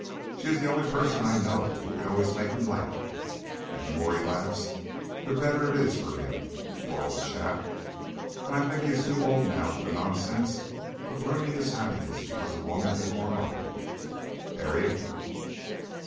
She is the only person I know who can always make him laugh, and the more he laughs the better it is for him, poor old chap! And I think he is too old now for the nonsense of ruining his happiness because a woman has more money Harriet!"